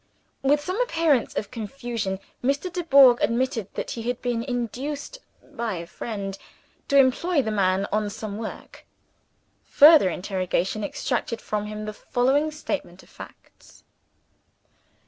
With some appearance of confusion, Mr. Dubourg admitted that he had been induced (by a friend) to employ the man on some work. Further interrogation extracted from him the following statement of facts.